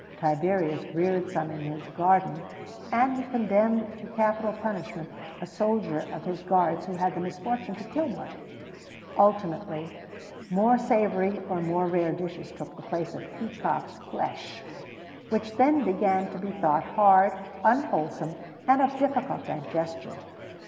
Tiberius reared some in his gardens; and he condemned to capital punishment a soldier of his guards who had the misfortune to kill one.[XVII 129] Ultimately, more savoury or more rare dishes took the place of peacocks' flesh, which then began to be thought hard, unwholesome, and of difficult digestion.